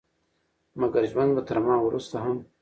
مګر ژوند به تر ما وروسته هم